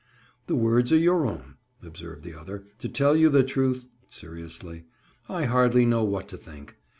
"The words are your own," observed the other. "To tell you the truth," seriously, "I hardly know what to think.